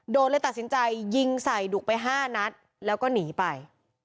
เลยตัดสินใจยิงใส่ดุไป๕นัดแล้วก็หนีไป